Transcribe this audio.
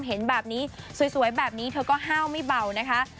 เห็นแบบนี้สวยแบบนี้เธอก็ห้าวไม่เบานะคะ